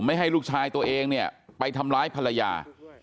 ให้ลูกชายตัวเองเนี่ยไปทำร้ายภรรยา